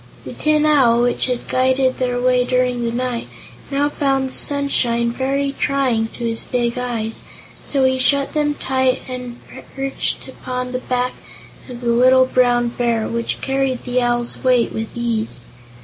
The Tin Owl, which had guided their way during the night, now found the sunshine very trying to his big eyes, so he shut them tight and perched upon the back of the little Brown Bear, which carried the Owl's weight with ease.